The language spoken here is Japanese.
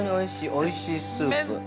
おいしいスープ。